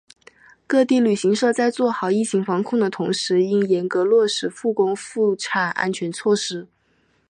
各地旅行社在做好疫情防控的同时应严格落实复工复产安全措施